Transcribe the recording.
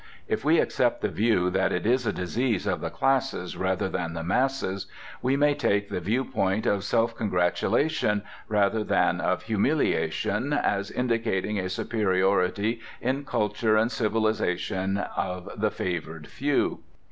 If we accept the view that it is a disease of the classes rather than the masses we may take the viewpoint of self congratulation rather than of humiliation as indicating a superiority in culture and civilization of the favoured few.